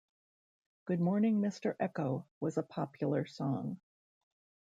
"Good Morning, Mister Echo" was a popular song.